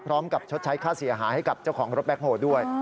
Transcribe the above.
ชดใช้ค่าเสียหายให้กับเจ้าของรถแบ็คโฮด้วย